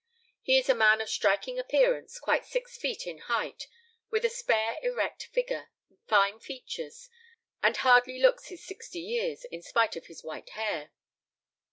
"He is a man of striking appearance, quite six feet in height, with a spare erect figure, fine features, and hardly looks his sixty years, in spite of his white hair."